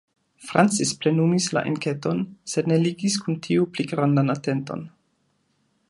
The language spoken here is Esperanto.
Francis plenumis la enketon, sed ne ligis kun tio pli grandan atenton.